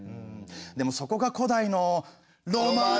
でもそこが古代の。